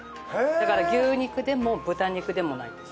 だから牛肉でも豚肉でもないです。